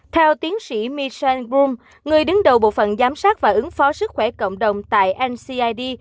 theo tiến sĩ michel bum người đứng đầu bộ phận giám sát và ứng phó sức khỏe cộng đồng tại ncid